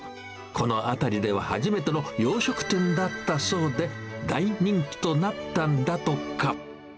この辺りでは初めての洋食店だったそうで、大人気となったんだとか。